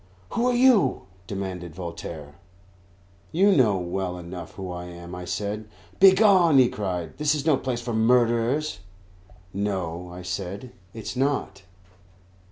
"Who are you?" demanded Voltaire. "You know well enough who I am," I said. "Begone!" he cried; "this is no place for murderers." "No," I said, "it is not."